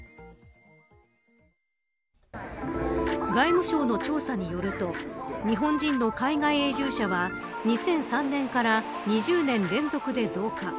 外務省の調査によると日本人の海外永住者は２００３年から２０年連続で増加。